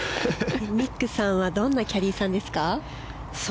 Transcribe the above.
ミックさんはどんなキャディーさんですか？